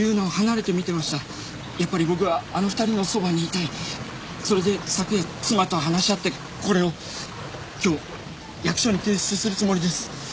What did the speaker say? やっぱり僕はあの２人のそばにいたいそれで昨夜妻と話し合ってこれを今日役所に提出するつもりです